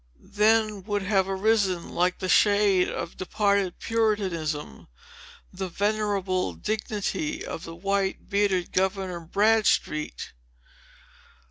Then would have arisen, like the shade of departed Puritanism, the venerable dignity of the white bearded Governor Bradstreet.